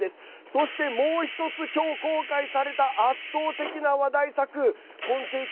そして、もう１つ今日、公開された圧倒的な話題作今世紀